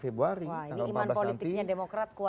ini iman politiknya demokrat kuat ya